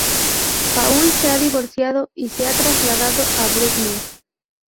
Paul se ha divorciado y se ha trasladado a Brooklyn.